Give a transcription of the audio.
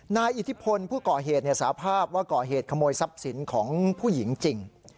อิทธิพลผู้ก่อเหตุสาภาพว่าก่อเหตุขโมยทรัพย์สินของผู้หญิงจริง